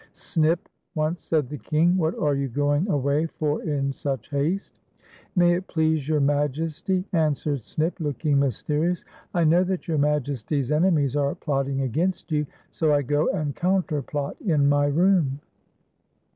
"Snip," once said the King, "what are you going away for in such haste .*"" May it please your Majesty," answered Snip, look ing m) sterious " I know that your Majesty's enemies are plotting against ) ou, so I go and counterplot in my room."